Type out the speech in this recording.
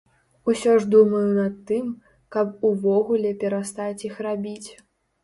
Усё ж думаю над тым, каб увогуле перастаць іх рабіць.